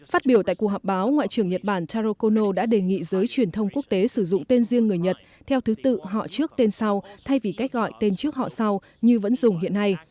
phát biểu tại cuộc họp báo ngoại trưởng nhật bản taro kono đã đề nghị giới truyền thông quốc tế sử dụng tên riêng người nhật theo thứ tự họ trước tên sau thay vì cách gọi tên trước họ sau như vẫn dùng hiện nay